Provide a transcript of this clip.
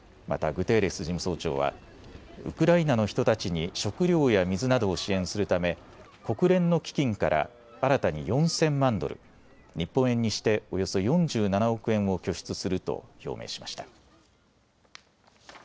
またグテーレス事務総長はウクライナの人たちに食料や水などを支援するため国連の基金から新たに４０００万ドル、日本円にしておよそ４７億円を拠出すると表明しました。